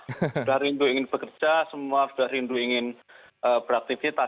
sudah rindu ingin bekerja semua sudah rindu ingin beraktivitas